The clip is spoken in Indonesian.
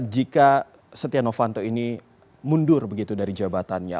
jika setia novanto ini mundur begitu dari jabatannya